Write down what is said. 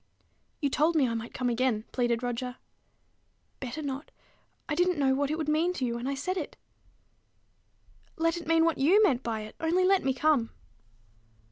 "You told me I might come again," pleaded Roger. "Better not. I didn't know what it would mean to you when I said it." "Let it mean what you meant by it, only let me come."